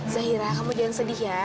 zaira kamu jangan sedih ya